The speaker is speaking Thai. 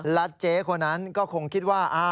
และเจ๊คนนั้นก็คงคิดว่า